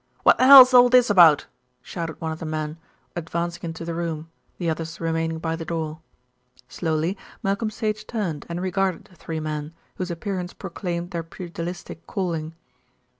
"What the hell's all this about?" shouted one of the men, advancing into the room, the others remaining by the door. Slowly Malcolm Sage turned and regarded the three men, whose appearance proclaimed their pugilistic calling.